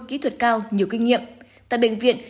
kỹ thuật cao nhiều kinh nghiệm tại bệnh viện